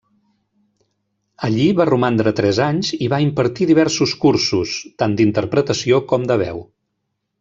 Allí va romandre tres anys i va impartir diversos cursos, tant d'interpretació com de veu.